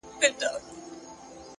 هره ورځ د ځان د اصلاح فرصت دی.!